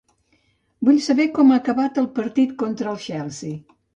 Vull saber com ha acabat el partit contra el Chelsea.